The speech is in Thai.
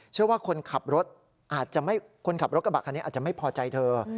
เชื่อว่าคนขับรถกระบะคันนี้อาจจะไม่พอใจเธอ